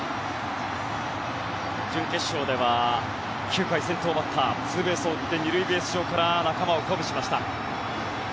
準決勝では９回先頭バッターツーベースを打って２塁ベース上から仲間を鼓舞しました。